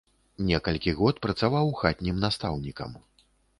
Некалькі год працаваў хатнім настаўнікам.